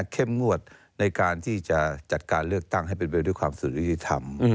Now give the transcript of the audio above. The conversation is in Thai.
เข้มงวดในการที่จะจัดการเลือกตั้งให้เป็นเรื่องด้วยความสุดอิทธิธรรม